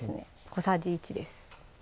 小さじ１です